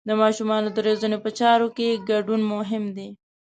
د ماشومانو د روزنې په چارو کې ګډون مهم دی.